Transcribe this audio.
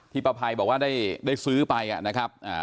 ที่ป้าพัยบอกว่าได้ซื้อไปอ่ะนะครับ